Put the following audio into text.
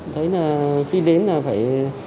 thấy là khi đến là phải